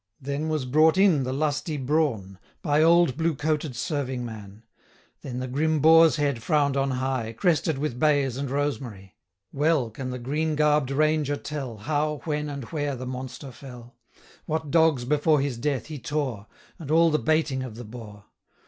55 Then was brought in the lusty brawn, By old blue coated serving man; Then the grim boar's head frown'd on high, Crested with bays and rosemary. Well can the green garb'd ranger tell, 60 How, when, and where, the monster fell; What dogs before his death he tore, And all the baiting of the boar.